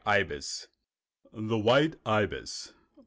] THE WHITE IBIS.